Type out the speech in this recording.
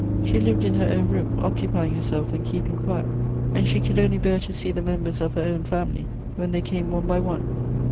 She lived in her own room, occupying herself and keeping quiet ; and she could only bear to see the members of her own family when they came one by one.